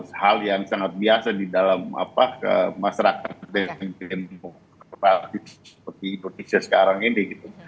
dan itu hal yang sangat biasa di dalam masyarakat yang ingin berpraktik seperti indonesia sekarang ini